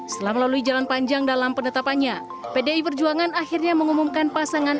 setelah melalui jalan panjang dalam penetapannya pdi perjuangan akhirnya mengumumkan pasangan